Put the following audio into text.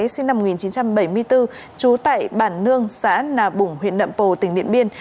sinh năm một nghìn chín trăm bảy mươi bốn trú tại bản nương xã nà bủng huyện nậm pồ tỉnh điện biên